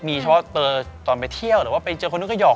มีเฉพาะตอนไปเที่ยวหรือว่าไปเจอคนนู้นก็หอก